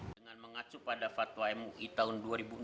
dengan mengacu pada fatwa mui tahun dua ribu enam belas